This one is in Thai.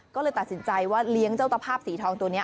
ก็เลยตัดสินใจว่าเลี้ยงเจ้าตะภาพสีทองตัวนี้